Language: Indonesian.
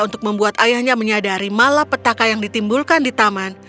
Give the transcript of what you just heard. untuk membuat ayahnya menyadari malapetaka yang ditimbulkan di taman